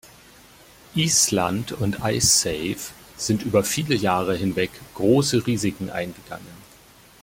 Island und Icesave sind über viele Jahre hinweg große Risiken eingegangen.